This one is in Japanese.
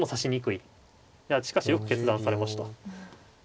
いやしかしよく決断されました。